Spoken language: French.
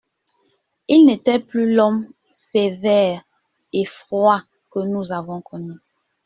Il n'était plus l'homme sévère et froid que nous avons connu.